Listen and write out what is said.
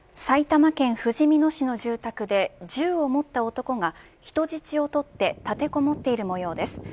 埼玉県ふじみ野市の住宅で銃を持った男が人質を取って立てこもっているもようです。